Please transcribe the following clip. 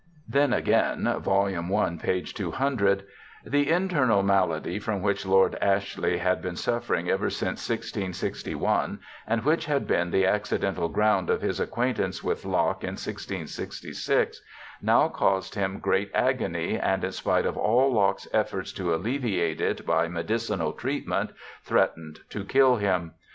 Then, again (vol. i, p. 200) : 'The internal malady from which Lord Ashley had been suffering ever since 1661, and which had been the accidental ground of his acquaintance with Locke in 1666, now caused him great agony, and in spite of all Locke's efforts to alleviate it \>\ medicinal treatment, threatened to kill him.